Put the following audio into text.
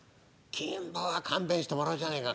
金坊は勘弁してもらおうじゃねえか」。